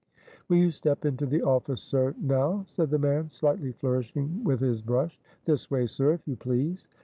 "Will you step into the office, sir, now?" said the man, slightly flourishing with his brush "this way, sir, if you please."